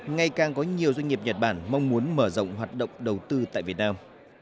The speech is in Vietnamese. ngày càng có nhiều doanh nghiệp nhật bản mong muốn mở rộng hoạt động đầu tư tại việt nam